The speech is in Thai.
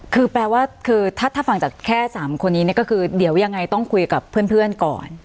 คือแปลว่าคือถ้าฟังจากแค่๓คนนี้ก็คือเดี๋ยวยังไงต้องคุยกับเพื่อนก่อน